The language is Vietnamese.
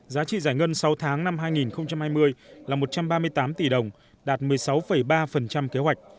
giá trị giải ngân sáu tháng năm hai nghìn hai mươi là một trăm ba mươi tám tỷ đồng đạt một mươi sáu ba kế hoạch